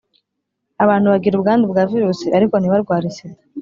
abantu bagira ubwandu bwa virusi ariko ntibarware sida